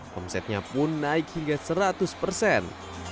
omsetnya pun naik hingga seratus persen